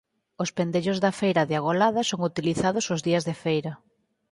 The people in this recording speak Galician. Os Pendellos da feira de Agolada son utilizados os días de feira.